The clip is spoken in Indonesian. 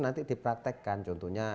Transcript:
nanti dipratekkan contohnya